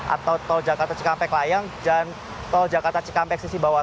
atau tol jakarta cikampek layang dan tol jakarta cikampek sisi bawah